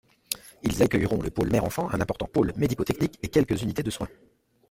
Ils accueilleront le Pôle Mère-Enfant, un important Pôle Médico-technique et quelques unités de soins.